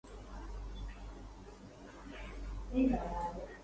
Quillebeuf, which is an old port, is located on left bank of the Seine.